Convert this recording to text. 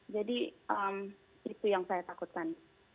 jadi itu yang saya takutkan